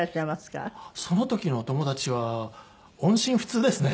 その時のお友達は音信不通ですね。